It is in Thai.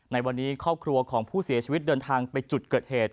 ในวันนี้ครอบครัวของผู้เสียชีวิตเดินทางไปจุดเกิดเหตุ